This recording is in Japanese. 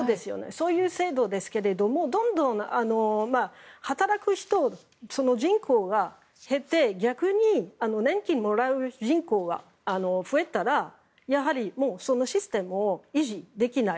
そういう制度ですけどどんどん働く人その人口が減って逆に年金をもらう人口は増えたらやはりもうそのシステムを維持できない。